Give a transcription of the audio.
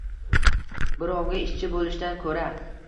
Birovga ishchi bo‘lishdan ko‘ra.